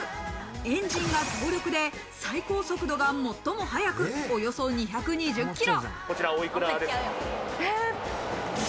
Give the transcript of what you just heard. エンジンが強力で最高速度が最も速く、およそ２２０キロ。